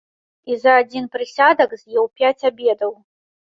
І за адзін прысядак з'еў пяць абедаў.